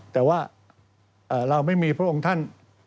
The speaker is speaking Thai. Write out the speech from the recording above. แต่ว่าเราไม่มีพระองค์ท่าน